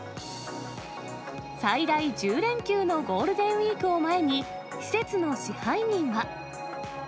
最大１０連休のゴールデンウィークを前に、施設の支配人は。